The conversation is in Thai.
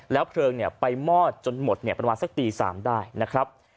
แล้วเพลิงเนี่ยไปมอดจนหมดเนี่ยประมาณสักตี๓ได้นะครับ